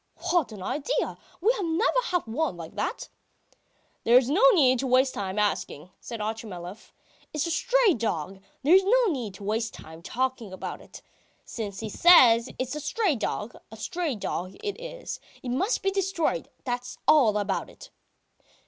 "What an idea! We have never had one like that!" "There's no need to waste time asking," says Otchumyelov. "It's a stray dog! There's no need to waste time talking about it. ... Since he says it's a stray dog, a stray dog it is. ... It must be destroyed, that's all about it."